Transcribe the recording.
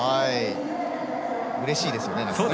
うれしいですね。